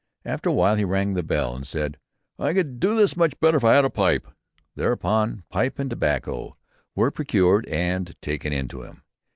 After a while he rang the bell, and said, "I could do this much better if I had a pipe." Thereupon pipe and tobacco were procured and taken in to him.